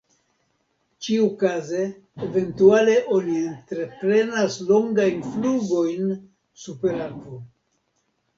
Ĉiukaze eventuale oni entreprenas longajn flugojn super akvo.